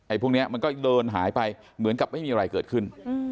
พวกนี้มันก็เดินหายไปเหมือนกับไม่มีอะไรเกิดขึ้น